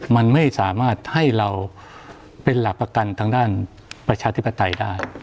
มันไม่สามารถให้เราเป็นหลักประกันทางด้านประชาธิปไตยได้